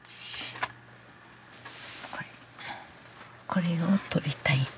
これこれを取りたいんや。